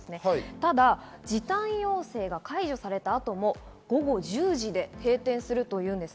ただ時短要請が解除された後も午後１０時で閉店するといいます。